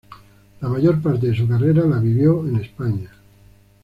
La mayor parte de su carrera la vivió en España.